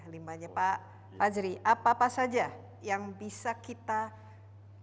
limbahnya pak fajri apa apa saja yang bisa kita lakukan